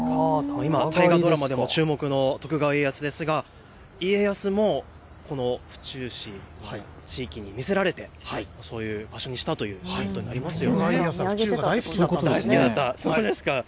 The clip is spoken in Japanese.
今、大河ドラマでも注目の徳川家康ですが家康もこの府中市、地域に魅せられてそういう場所にしたということですね。